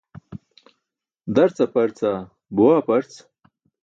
Darc aparca? Buwa aprc?